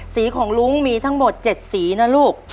สีของลุงมีทั้งหมด๗สีนะลูก